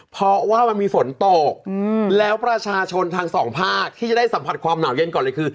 เพราะว่ามันมีฝนตกแล้วประชาชนทางสองภาคที่จะได้สัมผัสความหนาวเย็นก่อนเลยคือ